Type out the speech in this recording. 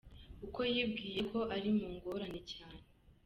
Uko yibwiyeko ari mu ngorane cyane